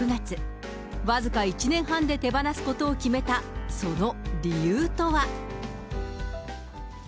僅か１年半で手放すことを決めた、その理由とは。